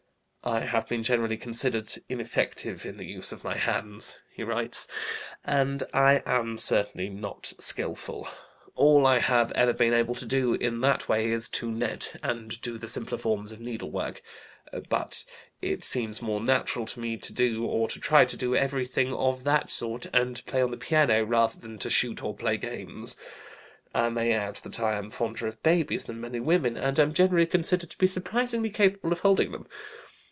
"I have been generally considered ineffective in the use of my hands," he writes, "and I am certainly not skillful. All I have ever been able to do in that way is to net and do the simpler forms of needlework; but it seems more natural to me to do, or try to do, everything of that sort, and to play on the piano, rather than to shoot or play games. I may add that I am fonder of babies than many women, and am generally considered to be surprisingly capable of holding them!